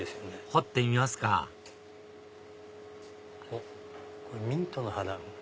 掘ってみますかおっミントの葉だ。